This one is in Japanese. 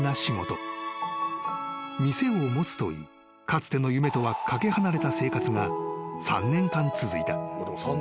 ［店を持つというかつての夢とは懸け離れた生活が３年間続いた］